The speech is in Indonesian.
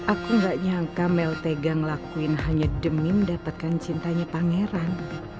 aku gak nyangka mel tegang lakuin hanya demi mendapatkan cintanya pangeran